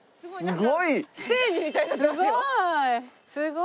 すごい！